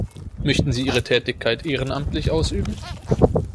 Möchten Sie Ihre Tätigkeit ehrenamtlich ausüben?